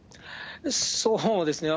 そうですね。